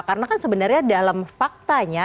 karena kan sebenarnya dalam faktanya